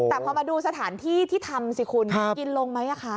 แต่พอมาดูสถานที่ที่ทำสิคุณกินลงไหมคะ